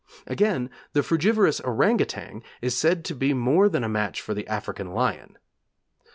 Again, the frugivorous orang outang is said to be more than a match for the African lion.